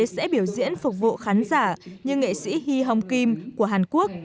sẽ biểu diễn phục vụ khán giả như nghệ sĩ hi hong kim của hàn quốc